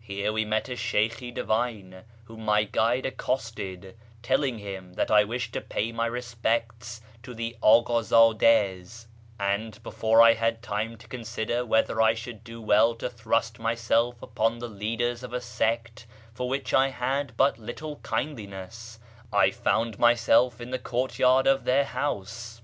Here we met a Sheykhi divine, whom my guide accosted, telling him that I wished to pay my respects to the Akd zddas ; and before I had time to consider whether I should do well to thrust myself upon the leaders of a sect for which I had but little kindliness, I found myself in the courtyard of their house.